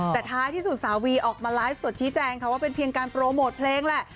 แต่ท้ายที่สุดสาววีออกมาไลฟ์สดชี้แจงค่ะว่าเป็นเพียงการโปรโมทเพลงแหละ